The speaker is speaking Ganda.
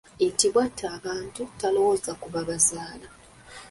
Nti Bw'atta abantu talowooza ku babazaala.